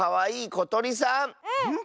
ことりさん